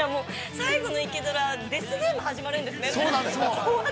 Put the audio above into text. ◆最後のイケドラ、デスゲーム始まるんですね。